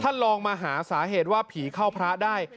ลองมาหาสาเหตุว่าผีเข้าพระได้